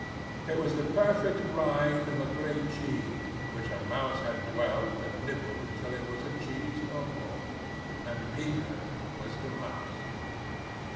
It was like the perfect rind of a great cheese in which a mouse had dwelt and nibbled till it was a cheese no more. And Peter was the mouse.